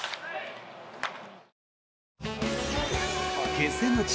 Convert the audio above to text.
決戦の地